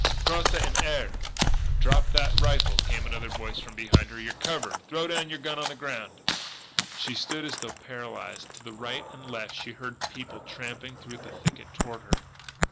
Crosse en air!_" "Drop that rifle!" came another voice from behind her. "You're covered! Throw your gun on the ground!" She stood as though paralysed. To the right and left she heard people trampling through the thicket toward her.